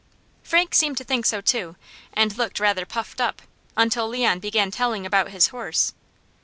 Frank seemed to think so too, and looked rather puffed up, until Leon began telling about his horse.